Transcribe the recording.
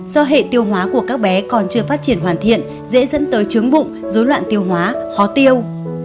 do hệ tiêu hóa của các bé còn chưa phát triển hoàn thiện dễ dẫn tới chướng bụng dối loạn tiêu hóa khó tiêu